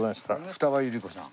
二葉百合子さん。